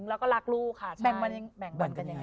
แล้วก็รักลูกค่ะแบ่งปันกันยังไง